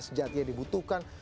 sejati yang dibutuhkan